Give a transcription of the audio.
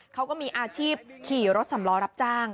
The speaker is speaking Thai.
เขาก็มีอาชีพขี่รถสำล้อรับจ้าง